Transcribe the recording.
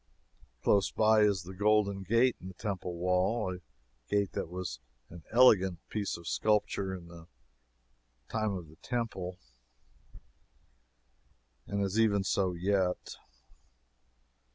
Close by is the Golden Gate, in the Temple wall a gate that was an elegant piece of sculpture in the time of the Temple, and is even so yet.